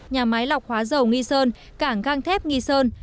nhà máy lọc hóa dầu nghi sơn cảng gang thép nghi sơn